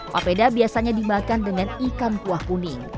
papeda biasanya dimakan dengan ikan kuah kuning